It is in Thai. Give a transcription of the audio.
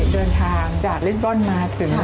เดินทางจากเลสบอลมาถึง